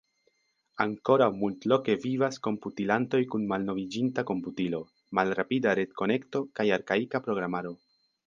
Ankoraŭ multloke vivas komputilantoj kun malnoviĝinta komputilo, malrapida retkonekto kaj arkaika programaro.